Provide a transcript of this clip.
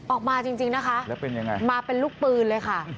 ออกมาจริงนะคะแล้วเป็นยังไงมาเป็นลูกปืนเลยค่ะ